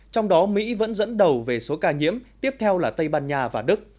trong đó mỹ vẫn dẫn đầu về số ca nhiễm tiếp theo là tây ban nha và đức